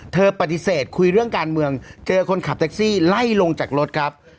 ปฏิเสธคุยเรื่องการเมืองเจอคนขับแท็กซี่ไล่ลงจากรถครับ